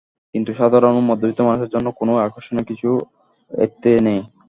কিন্তু সাধারণ ও মধ্যবিত্ত মানুষের জন্য কোনো আকর্ষণীয় কিছু এতে নেই।